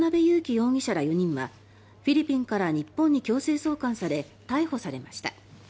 容疑者ら４人はフィリピンから日本に強制送還され、逮捕されました。